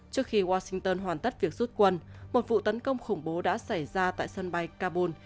trước khi washington hoàn tất việc rút quân một vụ tấn công khủng bố đã xảy ra tại sân bay kabul